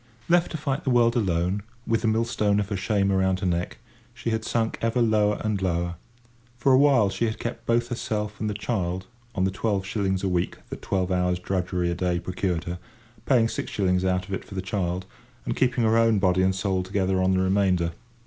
Left to fight the world alone, with the millstone of her shame around her neck, she had sunk ever lower and lower. For a while she had kept both herself and the child on the twelve shillings a week that twelve hours' drudgery a day procured her, paying six shillings out of it for the child, and keeping her own body and soul together on the remainder.